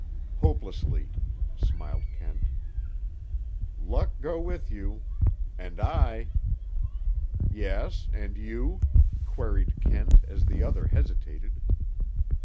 "Hopelessly," smiled Kent. "Luck go with you. And I—" "Yes: and you?" queried Kent, as the other hesitated.